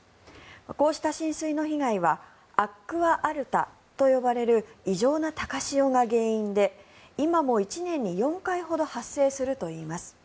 こうした浸水の被害はアックア・アルタと呼ばれる異常な高潮が原因で今も１年に４回ほど発生するといいます。